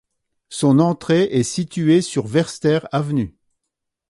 Son entrée est située sur Verster Avenue.